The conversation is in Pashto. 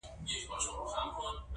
چي پر ستوني به یې زور وکړ یو نوکی.!